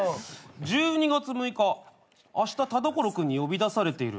「１２月６日あした田所君に呼び出されている」